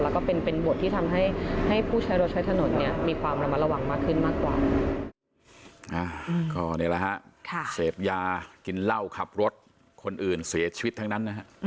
แล้วก็เป็นบทที่ทำให้ผู้ใช้รถใช้ถนนมีความระมัดระหว่างมากขึ้นมากกว่า